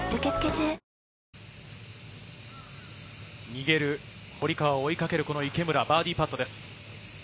逃げる堀川を追いかける池村、バーディーパットです。